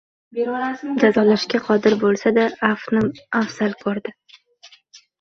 Jazolashga qodir bo‘lsa-da, afvni afzal ko‘rdi